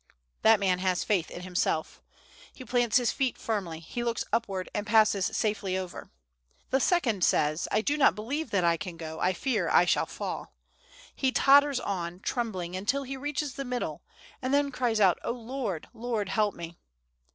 That man has faith in himself. He plants his feet firmly; he looks upward, and passes safely over. The second says, "I do not believe that I can go; I fear I shall fall." He totters on, trembling, until he reaches the middle, and then cries out, "O Lord, Lord, help me!"